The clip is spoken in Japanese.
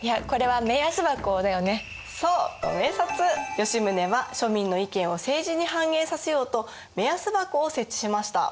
吉宗は庶民の意見を政治に反映させようと目安箱を設置しました。